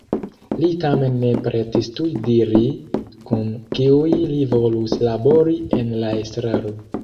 Li tamen ne pretis tuj diri kun kiuj li volus labori en la estraro.